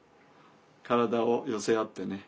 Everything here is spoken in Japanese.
体を寄せ合ってね